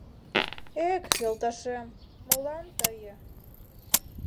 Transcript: Эк, йолташем, молан тые